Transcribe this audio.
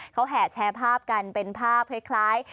เขาแห่แชร์ภาพกันเป็นภาพคล้าย